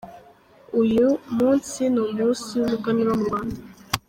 Uyu munsi ni umunsi w’umuganura mu Rwanda.